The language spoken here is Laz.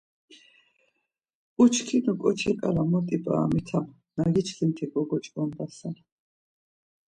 Uçkinu ǩoçi ǩala mot ip̌aramitam, na giçkinti gogoç̌ǩondase.